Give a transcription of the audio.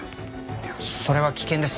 いやそれは危険です。